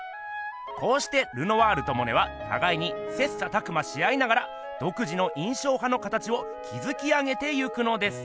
こうしてルノワールとモネはたがいに切磋琢磨し合いながらどく自の印象派の形をきずき上げていくのです。